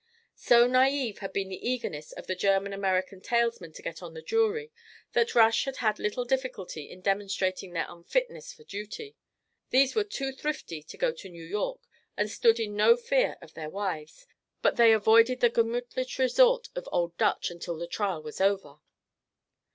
So naïve had been the eagerness of the German American talesmen to get on the jury that Rush had had little difficulty in demonstrating their unfitness for duty. These were too thrifty to go to New York and stood in no fear of their wives, but they avoided the gemütlich resort of Old Dutch until the trial was over.